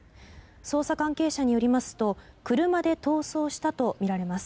捜査関係者によりますと車で逃走したとみられます。